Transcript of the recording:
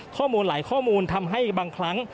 ข้อมูลหลายข้อมูลทำให้บางครั้ง